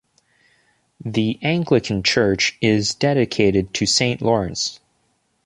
The Anglican church is dedicated to Saint Lawrence.